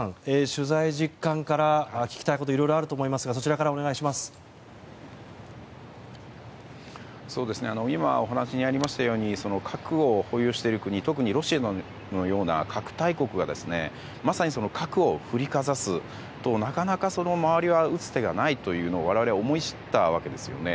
取材実感から聞きたいこといろいろあると思いますが今、お話にあったように核を保有している国特にロシアのような核大国がまさに核を振りかざすとなかなか周りはそれに打つ手がないというのを我々は思い知ったわけですよね。